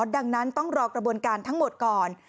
ดังนั้นต้องรอกระบวนการทั้งหมดก่อน